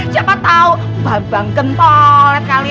siapa tau bambang kentolet kali